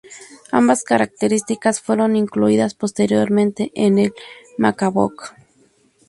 Ambas características fueron incluidas posteriormente en el MacBook.